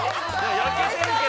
◆焼けてるけど。